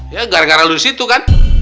ya gara gara lusi itu kan